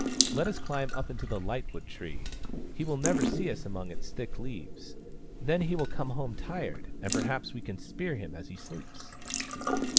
Let us climb up into the lightwood tree ; he will never see us among its thick leaves. Then he will come home tired, and perhaps we can spear him as he sleeps."